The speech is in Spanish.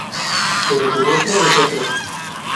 Pero su susto es otro.